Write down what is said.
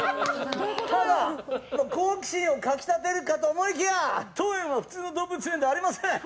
好奇心をかき立てるかと思いきや当園は普通の動物園ではありません。